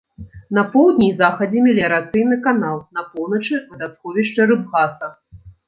На поўдні і захадзе меліярацыйны канал, на поўначы вадасховішча рыбгаса.